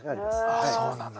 ああそうなんだ。